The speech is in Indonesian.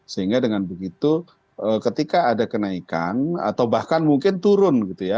sehingga dengan begitu ketika ada kenaikan atau bahkan mungkin turun gitu ya